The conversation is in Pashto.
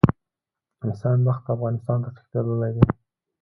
احسان بخت افغانستان ته تښتېدلی دی.